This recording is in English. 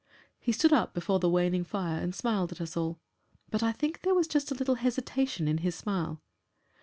He stood up before the waning fire and smiled at us all. But I think there was just a little hesitation in his smile.